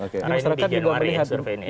karena ini di januari survei ini